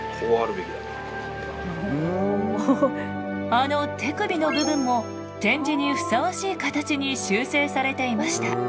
あの手首の部分も展示にふさわしい形に修正されていました。